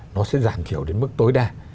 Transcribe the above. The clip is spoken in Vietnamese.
nó sẽ giảm thiểu đến mức tối đa